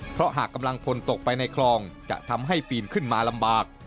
เพราะหากกำลังพลตกไปในคลองจะทำให้ปีนขึ้นมาลำบาก